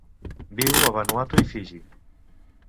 Viu a Vanuatu i Fiji.